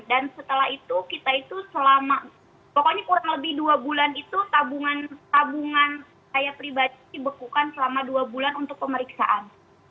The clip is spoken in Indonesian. dan setelah itu kita itu selama pokoknya kurang lebih dua bulan itu tabungan saya pribadi dibekukan selama dua bulan untuk pemeriksaan